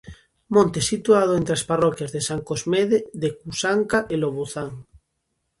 Monte situado entre as parroquias de San Cosmede de Cusanca e Lobozán.